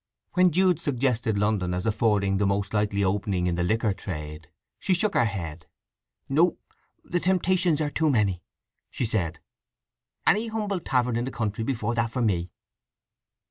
When Jude suggested London as affording the most likely opening in the liquor trade, she shook her head. "No—the temptations are too many," she said. "Any humble tavern in the country before that for me."